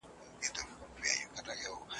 اوس هغه خلک هم لوڅي پښې روان دي ,